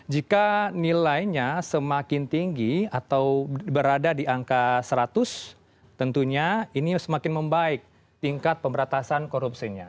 jika nilainya semakin tinggi atau berada di angka seratus tentunya ini semakin membaik tingkat pemberantasan korupsinya